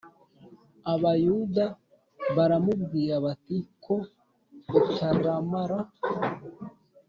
Abayuda baramubwira bati ko utaramara